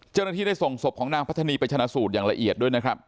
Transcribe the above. เจ้าหน้าที่ได้ส่งศพของนางพัฒนีไปชนะสูตรอย่างละเอียดด้วยนะครับ